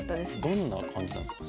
どんな感じなんですか？